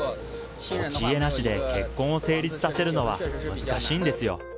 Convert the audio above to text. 持ち家なしで結婚を成立させるのは難しいんですよ。